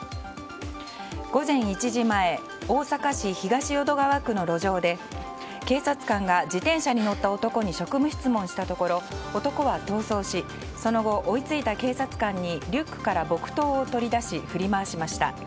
午前１時前大阪市東淀川区の路上で警察官が自転車に乗った男に職務質問したところ男は逃走しその後、追いついた警察官にリュックから木刀を取り出し降り回りました。